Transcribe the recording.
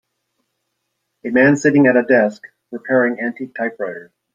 A man sitting at a desk, repairing antique typewriters.